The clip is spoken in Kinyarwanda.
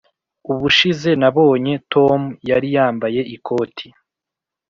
ubushize nabonye tom yari yambaye ikoti